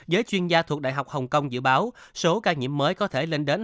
giới chuyên gia thuộc đại học hồng kông dự báo số ca nhiễm mới có thể lên đến